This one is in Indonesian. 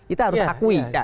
itu harus diakui